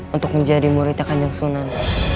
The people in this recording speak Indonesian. untuk menjadi muridnya kanjeng sunan